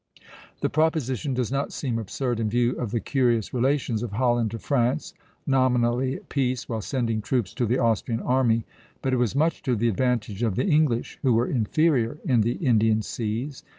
The proposition does not seem absurd in view of the curious relations of Holland to France, nominally at peace while sending troops to the Austrian army; but it was much to the advantage of the English, who were inferior in the Indian seas.